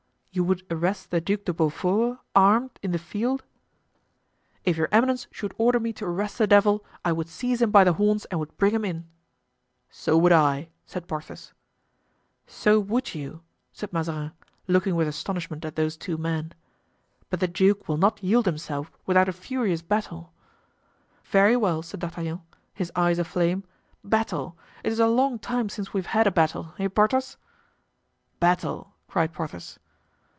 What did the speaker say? "You would arrest the Duc de Beaufort, armed, in the field?" "If your eminence should order me to arrest the devil, I would seize him by the horns and would bring him in." "So would I," said Porthos. "So would you!" said Mazarin, looking with astonishment at those two men. "But the duke will not yield himself without a furious battle." "Very well," said D'Artagnan, his eyes aflame, "battle! It is a long time since we have had a battle, eh, Porthos?" "Battle!" cried Porthos.